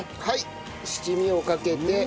はい七味をかけて。